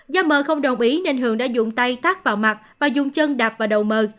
do m không đồng ý nên h đã dùng tay tắt vào mặt và dùng chân đạp vào đầu m